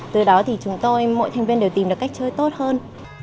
từ đó thì chúng tôi mỗi thành viên đều tìm được cách chơi tốt hơn